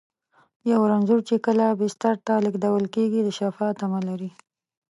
یو رنځور چې کله بستر ته لېږدول کېږي، د شفا تمه لري.